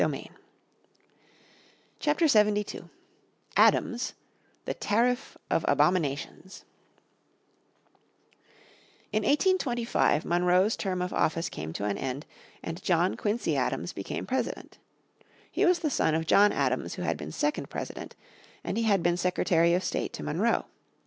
__________ Chapter 72 Adams The Tariff of Abominations In 1825 Monroe's term of office came to an end and John Quincy Adams became President. He was the son of John Adams who had been second President, and he had been Secretary of State to Monroe.